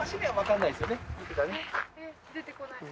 えっ出てこない。